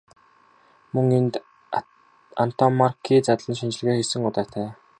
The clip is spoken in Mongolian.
Мөн энд Антоммарки задлан шинжилгээ хийсэн удаатай.